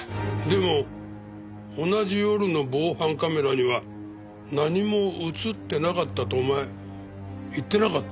でも同じ夜の防犯カメラには何も映ってなかったってお前言ってなかった？